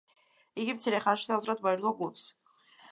იგი მცირე ხანში საოცრად მოერგო გუნდს.